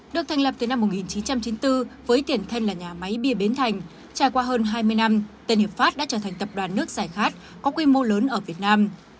được thành lập từ năm một nghìn chín trăm chín mươi bốn với tiền thân là nhà máy bia bến thành trải qua hơn hai mươi năm tân hiệp pháp đã trở thành tập đoàn nước giải khát có quy mô lớn ở việt nam